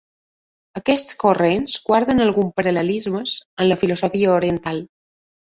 Aquests corrents guarden alguns paral·lelismes amb la filosofia oriental.